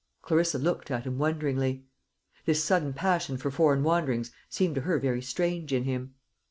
Clarissa looked at him wonderingly. This sudden passion for foreign wanderings seemed to her very strange in him.